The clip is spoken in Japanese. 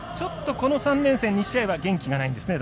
この３連戦２試合は元気がないんですね。